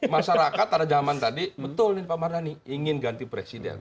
masyarakat pada zaman tadi betul nih pak mardhani ingin ganti presiden